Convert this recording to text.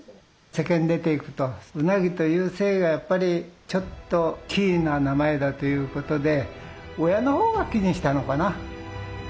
世間に出ていくと鰻という姓がやっぱりちょっと奇異な名前だということで親の方が気にしたのかな。